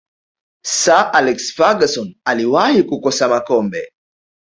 sir alex ferguson aliwahi kukosa makombe